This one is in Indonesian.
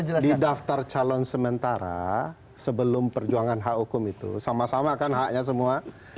jadi di daftar calon sementara sebelum perjuangan hak hukum itu sama sama kan haknya semua